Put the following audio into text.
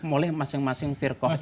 oleh masing masing firkoh ini